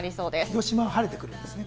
広島を晴れてくるんですね。